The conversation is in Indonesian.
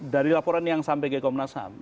dari laporan yang sampai ke komnas ham